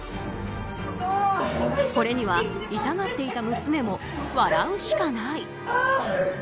これには痛がっていた娘も笑うしかない。